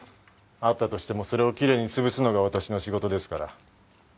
あったとしてもそれをきれいに潰すのが私の仕事ですから。